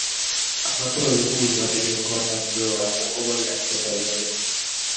Amatoeku bunyotik eng kot ab Jehovah amu oba nganaset agenge